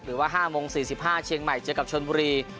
หรือว่า๕โมง๔๕เชียงใหม่เจอกับชนบุรี